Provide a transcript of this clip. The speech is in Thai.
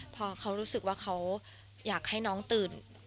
พอเขารู้สึกว่าเขาอยากให้น้องตื่น